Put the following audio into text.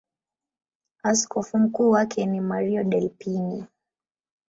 Askofu mkuu wake ni Mario Delpini.